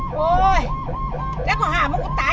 ผู้ชีพเราบอกให้สุจรรย์ว่า๒